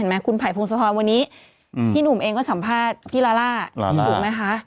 เห็นมั้ยคุณภัยภูมิสะท้อนวันนี้พี่หนุ่มเองก็สัมภาษณ์พี่ลาล่าถูกมั้ยคะ